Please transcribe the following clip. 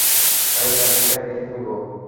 আমি বাকিটা দেখে নিবো।